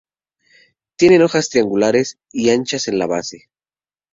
Tienen hojas triangulares y anchas en la base.